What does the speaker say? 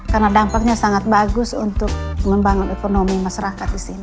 karena dampaknya sangat bagus untuk pengembangan ekonomi masyarakat di sini